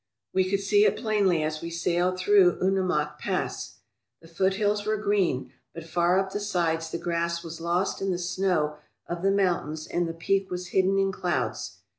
We could see it plainly as we sailed through Unimak Pass. The foothills were green, but far up the sides the grass was lost in the snow of the mountains and the peak was hidden in clouds.